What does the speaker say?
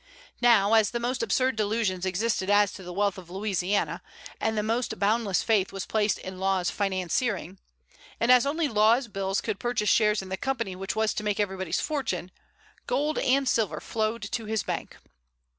Now, as the most absurd delusions existed as to the wealth of Louisiana, and the most boundless faith was placed in Law's financiering; and as only Law's bills could purchase shares in the Company which was to make everybody's fortune, gold and silver flowed to his bank.